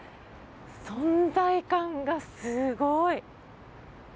存在感がすごい！